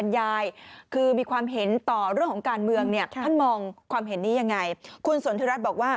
ดูเรื่องความมั่นคงโดยตรง